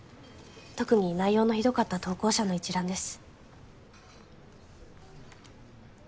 特に内容の酷かった投稿者の一覧です。